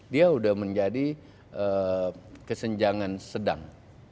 dia sudah menjadi kesenjangan sedang